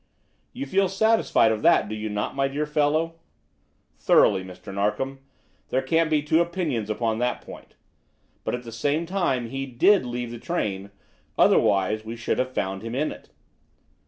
"You feel satisfied of that, do you not, my dear fellow?" "Thoroughly, Mr. Narkom; there can't be two opinions upon that point. But, at the same time, he did leave the train, otherwise we should have found him in it."